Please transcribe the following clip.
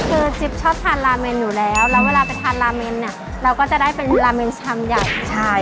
คือจิ๊บชอบทานราเมนอยู่แล้วแล้วเวลาไปทานราเมนเนี่ยเราก็จะได้เป็นราเมนชามใหญ่ใช่